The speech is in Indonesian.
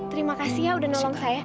terima kasih ya udah nolong saya